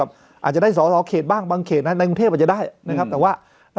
อาจจะได้สอเคตบ้างบางเคตอาจจะได้ในกรุงเทพฯอาจจะได้